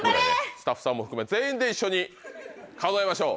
スタッフさんも含め全員で一緒に数えましょう。